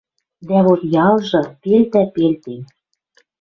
Дӓ вот ялжы пелтӓ пелтен...